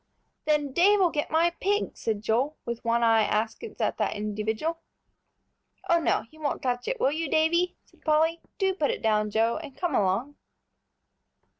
"Then Dave'll get my pig," said Joel, with one eye askance at that individual. "Oh, no, he won't touch it; will you, Davie?" said Polly. "Do put it down, Joe, and come along."